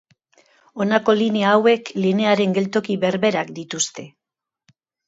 Honako linea hauek linearen geltoki berberak dituzte.